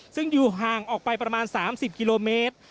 ซึ่งอยู่ห่างออกไปประมาณ๓๐กิโลเมตร